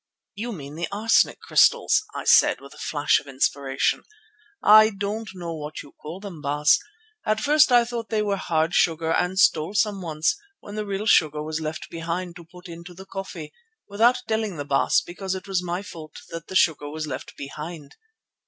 "You mean the arsenic crystals," I said with a flash of inspiration. "I don't know what you call them, Baas. At first I thought they were hard sugar and stole some once, when the real sugar was left behind, to put into the coffee—without telling the Baas, because it was my fault that the sugar was left behind."